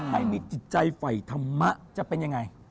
ให้มีจิตใจฝ่ายธรรมะจะเป็นยังไง